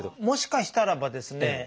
もしかしたらばですね